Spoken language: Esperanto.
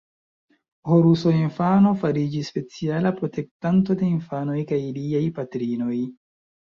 Horuso infano fariĝis speciala protektanto de infanoj kaj iliaj patrinoj.